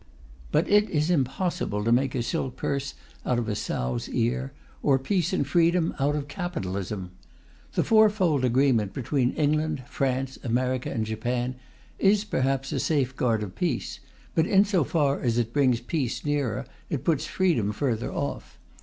But it is impossible to make a silk purse out of a sow's ear, or peace and freedom out of capitalism. The fourfold agreement between England, France, America and Japan is, perhaps, a safeguard of peace, but in so far as it brings peace nearer it puts freedom further off.